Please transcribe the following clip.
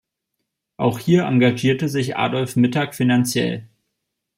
Auch hier engagierte sich Adolf Mittag finanziell.